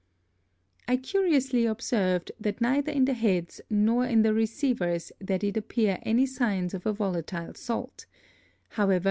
I curiously observed, that neither in the Heads, nor in the Receivers, there did appear any signs of a volatile Salt: However, _M.